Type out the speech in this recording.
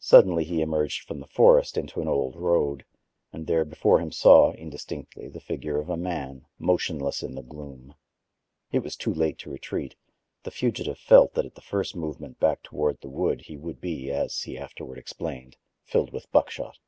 Suddenly he emerged from the forest into an old road, and there before him saw, indistinctly, the figure of a man, motionless in the gloom. It was too late to retreat: the fugitive felt that at the first movement back toward the wood he would be, as he afterward explained, "filled with buckshot."